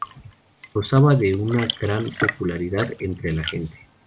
Gozaba de una gran popularidad entre la gente.